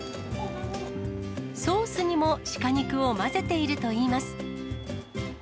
ソースにもシカ肉を混ぜているといいます。